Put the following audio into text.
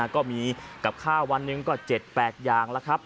ก็มีกับข้าววันหนึ่งก็๗๘อย่างแล้วครับ